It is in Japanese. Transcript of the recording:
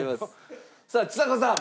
さあちさ子さん。